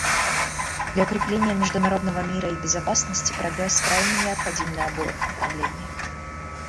Для укрепления международного мира и безопасности прогресс крайне необходим на обоих направлениях.